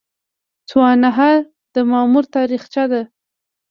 سوانح د مامور تاریخچه ده